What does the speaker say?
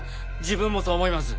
自分もそう思います。